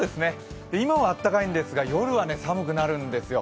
今はあったかいんですが、夜は寒くなるんですよ。